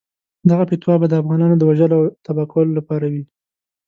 دغه فتوا به د افغانانو د وژلو او تباه کولو لپاره وي.